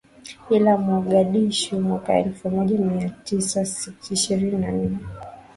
ila Mogadishu mwaka elfu moja mia tisa ishirini na nne